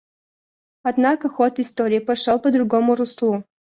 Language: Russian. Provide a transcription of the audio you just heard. Однако ход истории пошел по другому руслу.